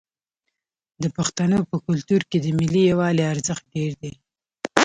د پښتنو په کلتور کې د ملي یووالي ارزښت ډیر دی.